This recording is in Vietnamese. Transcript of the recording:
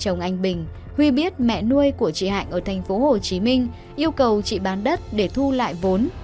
trong anh bình huy biết mẹ nuôi của chị hạnh ở thành phố hồ chí minh yêu cầu chị bán đất để thu lại vốn